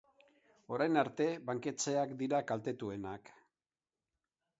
Orain arte, banketxeak dira kaltetuenak.